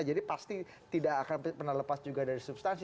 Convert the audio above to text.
pasti tidak akan pernah lepas juga dari substansi